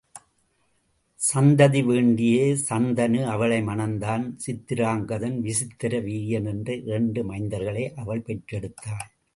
சந்ததிவேண்டியே சந்தனு அவளை மணந்தான் சித்திராங்கதன், விசித்திர வீரியன் என்ற இரண்டு மைந்தர்களை அவள் பெற்றெடுத்தாள்.